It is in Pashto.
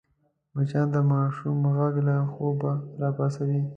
مچان د ماشوم غږ له خوبه راپاڅوي